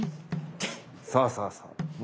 そうそうそう。